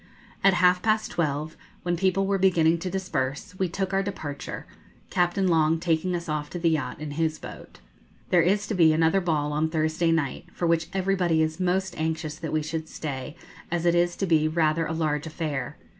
At half past twelve, when people were beginning to disperse, we took our departure, Captain Long taking us off to the yacht in his boat. There is to be another ball on Thursday night, for which everybody is most anxious that we should stay, as it is to be rather a large affair.